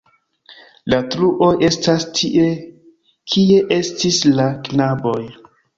La truoj estas tie, kie estis la kanaboj.